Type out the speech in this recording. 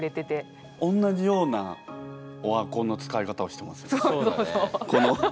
おんなじようなオワコンの使い方をしてますよね。